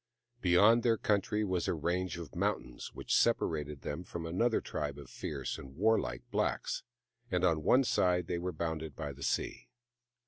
Beyond their country was a range of mountains which separated them from another tribe of fierce and warlike blacks, and on one side they were bounded by the sea.